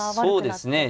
そうですね。